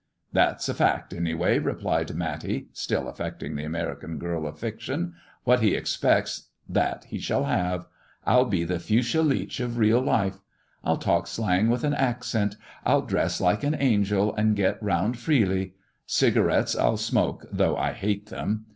''That's a fact, anyhow," replied Matty, still affecting the American girl of fiction. "What he expects, that shall he have. I'll be the Fuschia Leach of real life. I'll talk slang with an accent. I'll dress like an angel, and get round freely. Cigarettes I'll smoke, though I hate them.